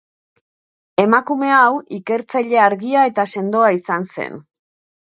Emakume hau, ikertzaile argia eta sendoa izan zen.